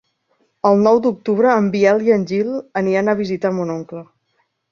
El nou d'octubre en Biel i en Gil aniran a visitar mon oncle.